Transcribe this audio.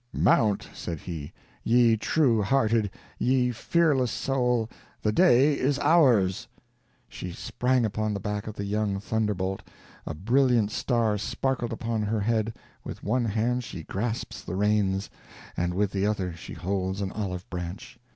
"Mount," said he, "ye true hearted, ye fearless soul the day is ours." She sprang upon the back of the young thunder bolt, a brilliant star sparkles upon her head, with one hand she grasps the reins, and with the other she holds an olive branch.